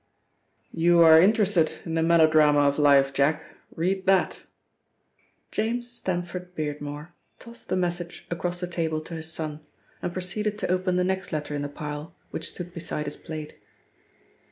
"You are interested in the melodrama of life, Jack read that." James Stamford Beardmore tossed the message across the table to his son and proceeded to open the next letter in the pile which stood beside his plate.